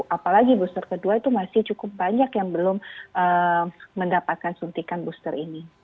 apalagi booster kedua itu masih cukup banyak yang belum mendapatkan suntikan booster ini